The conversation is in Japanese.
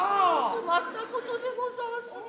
困ったことでござんすな。